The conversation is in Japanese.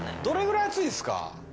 どれぐらい熱いですか？